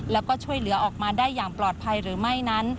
แล้วก็ช่วยเหลือออกมาได้อย่างปลอดภัยหรือไม่นั้น